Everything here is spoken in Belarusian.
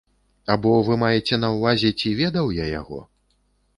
Або вы маеце на ўвазе, ці ведаў я яго?